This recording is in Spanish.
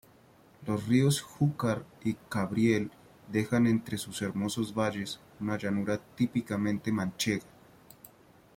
Los ríos Júcar y Cabriel dejan entre sus hermosos valles una llanura típicamente manchega.